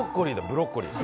ブロッコリー？